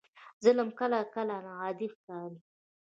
ظلم کله کله عادي ښکاري.